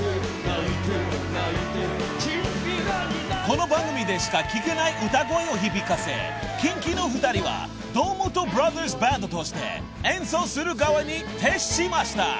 ［この番組でしか聴けない歌声を響かせキンキの２人は堂本ブラザーズバンドとして演奏する側に徹しました］